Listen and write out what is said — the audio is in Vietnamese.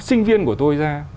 sinh viên của tôi ra